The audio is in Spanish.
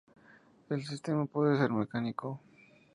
El sistema puede ser mecánico.